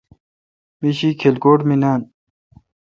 می شی کلکوٹ مے° نان۔